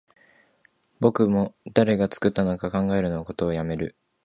僕も誰が作ったのか考えることをやめる